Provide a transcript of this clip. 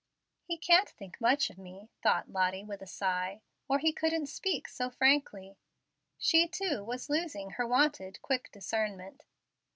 "He can't think much of me," thought Lottie, with a sigh, "or he couldn't speak so frankly." She, too, was losing her wonted quick discernment.